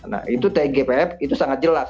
nah itu tgpf itu sangat jelas